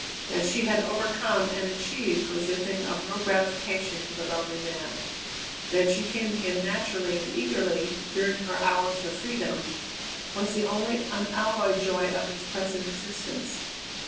That she had overcome and achieved was a thing of real gratification to the lonely man; that she came to him naturally and eagerly, during her hours of freedom, was the only unalloyed joy of his present existence.